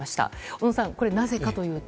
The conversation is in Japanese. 小野さんこれはなぜかというと。